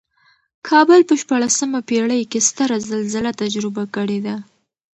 کابل په شپاړسمه پېړۍ کې ستره زلزله تجربه کړې ده.